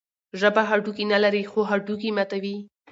ژبه هډوکي نلري، خو هډوکي ماتوي.